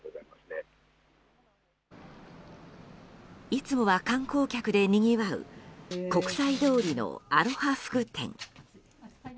いつもは観光客でにぎわう国際通りのアロハ服店。